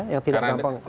yang tidak gampang melapor